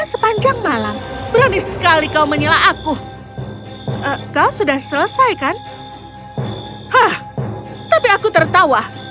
sepanjang malam berani sekali kau menyela aku kau sudah selesai kan hah tapi aku tertawa